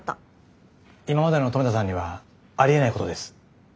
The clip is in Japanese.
今までの留田さんにはありえないことです。